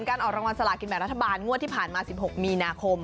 ออกรางวัลสลากินแบบรัฐบาลงวดที่ผ่านมา๑๖มีนาคม